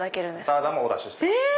サラダもお出ししてます。